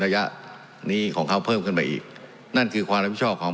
ระยะนี้ของเขาเพิ่มขึ้นไปอีกนั่นคือความรับผิดชอบของ